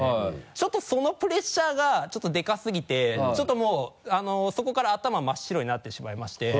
ちょっとそのプレッシャーがでかすぎてちょっともうそこから頭真っ白になってしまいまして。